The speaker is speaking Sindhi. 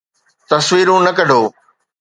تصويرون نه ڪڍو